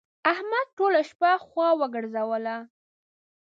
احمد ټوله شپه خوا وګرځوله.